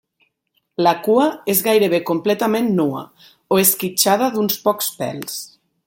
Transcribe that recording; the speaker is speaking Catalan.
La cua és gairebé completament nua o esquitxada d'uns pocs pèls.